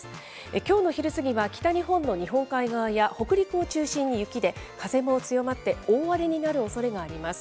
きょうの昼過ぎは、北日本の日本海側や北陸を中心に雪で、風も強まって大荒れになるおそれがあります。